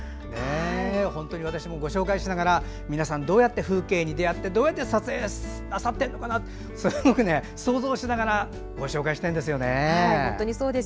本当に私もご紹介しながら皆さん、どうやって風景に出会ってどうやって撮影なさってるのかなって想像しながらご紹介してるんです。